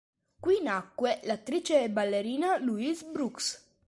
Qui nacque l'attrice e ballerina Louise Brooks.